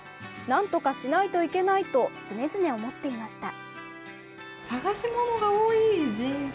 なんとかしないといけないと常々思っていました。